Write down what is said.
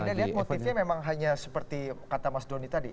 anda lihat motifnya memang hanya seperti kata mas doni tadi